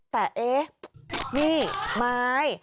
แต่เอ๊ะนี่ไม้